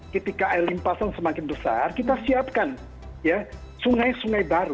ketika air limpasan semakin besar kita siapkan sungai sungai baru